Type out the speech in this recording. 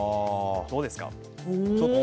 どうですか？